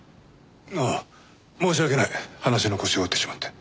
ああ申し訳ない話の腰を折ってしまって。